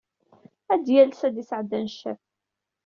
Ad yales ad d-yesɛeddi aneccaf.